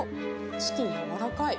チキン、やわらかい。